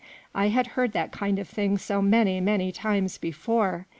I had heard that kind of thing so many, many times before